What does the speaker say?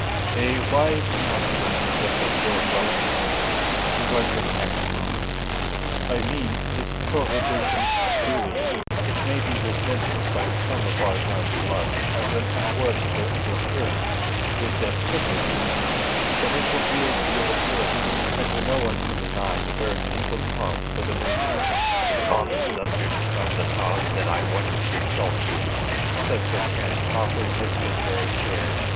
"A wise enactment this of Lord Wellington's," was his next comment. "I mean this prohibition of duelling. It may be resented by some of our young bloods as an unwarrantable interference with their privileges, but it will do a deal of good, and no one can deny that there is ample cause for the measure." "It is on the subject of the cause that I'm wanting to consult you," said Sir Terence, offering his visitor a chair.